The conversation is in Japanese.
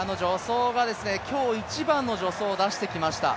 今日一番の助走を出してきました。